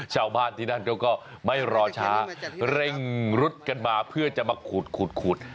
ชาวบ้านที่นั่นเขาก็ไม่รอช้าเร่งรุดกันมาเพื่อจะมาขุดขุด